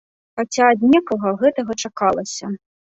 Хаця ад некага гэтага чакалася.